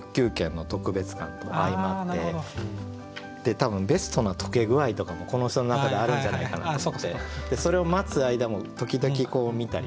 多分ベストな溶け具合とかもこの人の中であるんじゃないかなと思ってそれを待つ間も時々見たり。